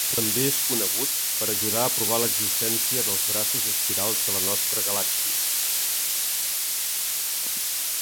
També és conegut per ajudar a provar l'existència dels braços espirals de la nostra galàxia.